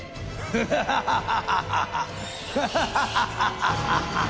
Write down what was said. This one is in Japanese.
フハハハハ！